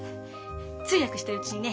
通訳してるうちにね